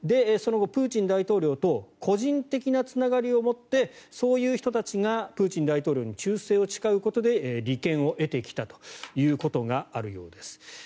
その後、プーチン大統領と個人的なつながりを持ってそういう人たちがプーチン大統領に忠誠を誓うことで利権を得てきたということがあるようです。